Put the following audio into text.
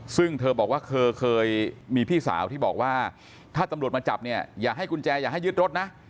ซึ่งเธอบอกว่าเธอเคยมีพี่สาวที่บอกว่าถ้าตำรวจมาจับเนี่ยอย่าให้กุญแจอย่าให้ยึดรถนะ